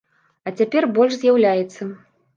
А цяпер больш з'яўляецца.